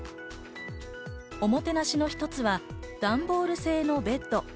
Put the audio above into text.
おもてなしの一つは段ボール製のベッド。